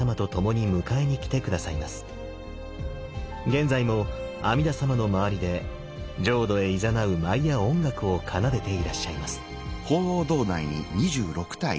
現在も阿弥陀様の周りで浄土へいざなう舞や音楽を奏でていらっしゃいます。